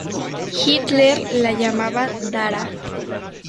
Hitler la llamaba "Dara".